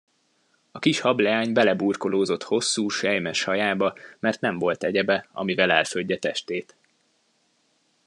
A kis hableány beleburkolózott hosszú, selymes hajába, mert nem volt egyebe, amivel elfödje testét.